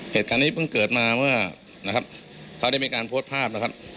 เหตุการณ์นี้เพิ่งเกิดมาเมื่อเขาได้มีการโพสต์ภาพ